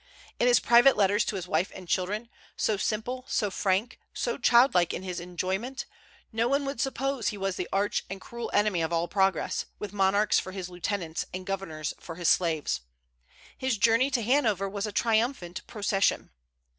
In his private letters to his wife and children, so simple, so frank, so childlike in his enjoyment, no one would suppose he was the arch and cruel enemy of all progress, with monarchs for his lieutenants, and governors for his slaves. His journey to Hanover was a triumphant procession.